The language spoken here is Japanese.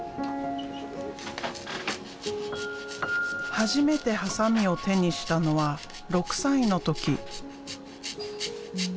初めてハサミを手にしたのは６歳の時。